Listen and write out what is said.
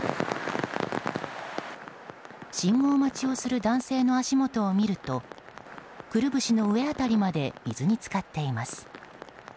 信号待ちをする男性の足元を見るとくるぶしの上辺りまで水に浸かっています。